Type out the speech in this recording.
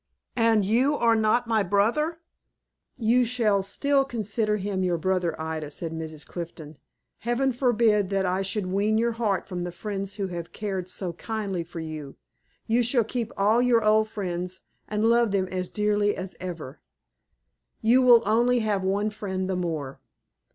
"And you are not my brother?" "You shall still consider him your brother, Ida," said Mrs. Clifton. "Heaven forbid that I should wean your heart from the friends who have cared so kindly for you! You shall keep all your old friends, and love them as dearly as ever. You will only have one friend the more."